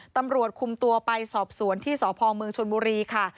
ตำรวจคุมตัวไปสอบสวนที่สพเมืองชนบุรีค่ะ